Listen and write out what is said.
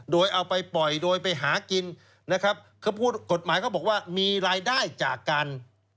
โดยเอาไปปล่อยโดยไปหากินกฎหมายพูดว่ามีรายได้จากการ